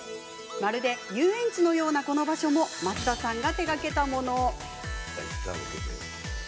まるで遊園地のようなこの場所も増田さんが手がけたもの。